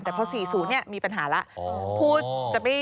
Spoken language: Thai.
แต่พอ๔๐มีปัญหาแล้ว